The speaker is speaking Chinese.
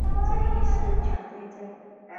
这亦是球队在洲际比赛的第一个冠军。